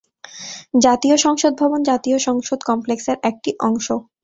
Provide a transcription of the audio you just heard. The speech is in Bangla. জাতীয় সংসদ ভবন জাতীয় সংসদ কমপ্লেক্সের একটি অংশ।